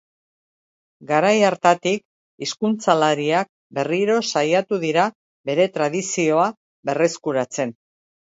Garai hartatik hizkuntzalariak berriro saiatu dira bere tradizioa berreskuratzen.